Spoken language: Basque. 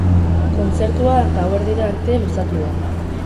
Kontzertua gauerdira arte luzatu da.